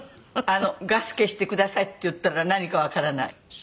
「ガス消してください」って言ったら何かわからない。